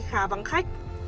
khá vắng khách